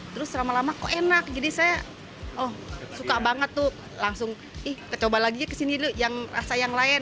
terus lama lama kok enak jadi saya oh suka banget tuh langsung ih kita coba lagi kesini dulu yang rasa yang lain